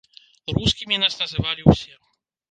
Рускімі нас называлі ўсе.